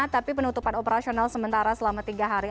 tapi penutupan operasional sementara selama tiga hari